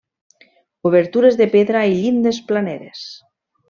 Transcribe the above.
Obertures de pedra i llindes planeres.